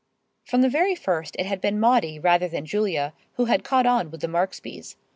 From the very first it had been Maudie rather than Julia who had caught on with the Marksbys.